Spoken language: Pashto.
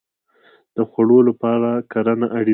د خوړو لپاره کرنه اړین ده